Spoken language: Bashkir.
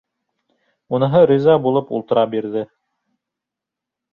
Уныһы риза булып ултыра бирҙе.